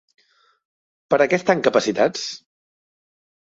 Per a què estan capacitats?